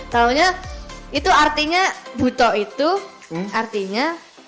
taunya itu artinya buto itu artinya